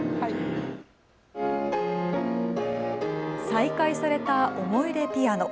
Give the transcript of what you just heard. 再開されたおもいでピアノ。